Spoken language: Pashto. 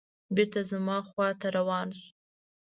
بېرته زما خواته روان شو.